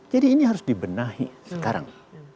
jadi ini harus dibenahi sekarang